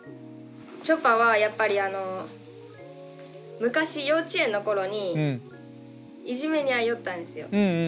ちょぱはやっぱりあの昔幼稚園の頃にいじめに遭いよったんですよ。